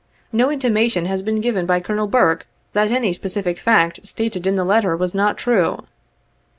No intimation has been given by Colonel Burke, that any specific fact stated in the letter was not true.